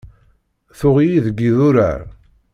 Tuɣ-iyi deg idurar.